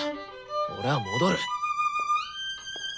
俺は戻る！